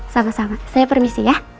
sama sama saya permisi ya